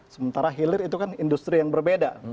sementara hilir itu kan industri yang berbeda